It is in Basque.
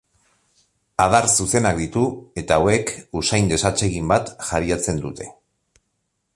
Adar zuzenak ditu eta hauek, usain desatsegin bat jariatzen dute.